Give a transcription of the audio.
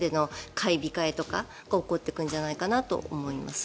買い控えとか起こってくるんじゃないかなと思います。